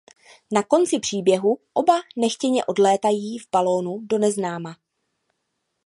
Na konci příběhu oba nechtěně odlétají v balónu do neznáma.